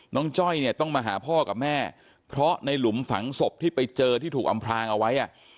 จ้อยเนี่ยต้องมาหาพ่อกับแม่เพราะในหลุมฝังศพที่ไปเจอที่ถูกอำพลางเอาไว้อ่ะ